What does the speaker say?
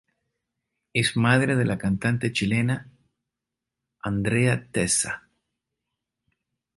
Es madre de la cantante chilena Andrea Tessa.